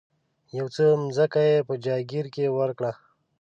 یو څه مځکه یې په جاګیر کې ورکړه.